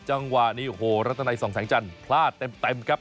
จังหวะนี้โอ้โหรัตนัยส่องแสงจันทร์พลาดเต็มครับ